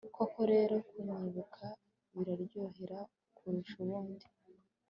koko rero, kunyibuka biryohera kurusha ubuki